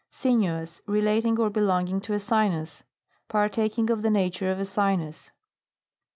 SINUOUS. Relating or belonging to a sinus. Partaking of the nature of a sinus.